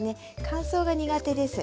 乾燥が苦手です。